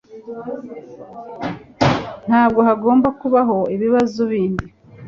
Ntabwo hagomba kubaho ibibazo bindi